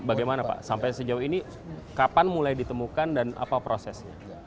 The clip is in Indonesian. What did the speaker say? bagaimana pak sampai sejauh ini kapan mulai ditemukan dan apa prosesnya